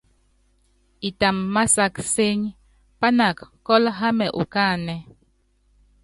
Itamv másák cɛ́ny, pának kɔ́l hámɛ ukáánɛ́.